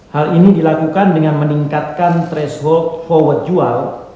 hal ini dilakukan dengan meningkatkan threshold forward jual